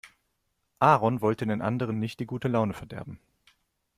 Aaron wollte den anderen nicht die gute Laune verderben.